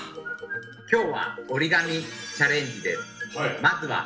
今日は折り紙チャレンジです。